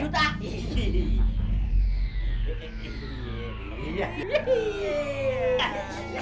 oh apa perlu ya